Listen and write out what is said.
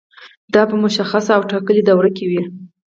دا په مشخصه او ټاکلې دوره کې وي.